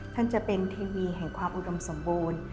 ท่านจะเป็นทีวีแห่งความอุดมสมบูรณ์